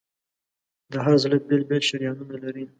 د هر زړه بېل بېل شریانونه لري.